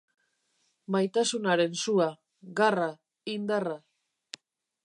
Maitasunaren sua, garra, indarra.